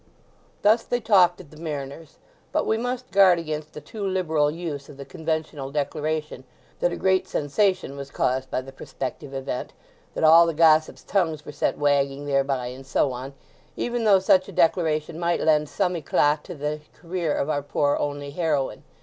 Thus they talked at the Mariners. But we must guard against a too liberal use of the conventional declaration that a great sensation was caused by the prospective event, that all the gossips' tongues were set wagging thereby, and so on, even though such a declaration might lend some eclat to the career of our poor only heroine.